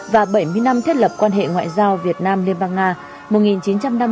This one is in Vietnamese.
và bảy mươi năm thiết lập quan hệ ngoại giao việt nam liên bang nga mùa một nghìn chín trăm năm mươi hai nghìn hai mươi